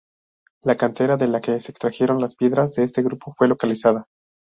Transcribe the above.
La cantera de la que se extrajeron las piedras de este grupo fue localizada.